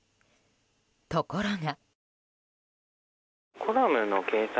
ところが。